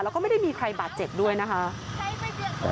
แล้วก็ไม่ได้มีใครบาดเจ็บด้วยนะคะ